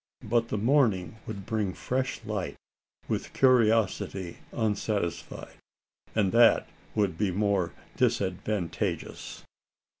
But the morning would bring fresh light, with curiosity unsatisfied, and that would be more disadvantageous.